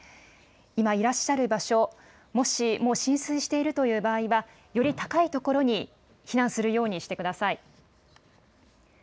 今いらっしゃる場所、もし、もう浸水しているという場合は、より高い所に避難するようにしてください。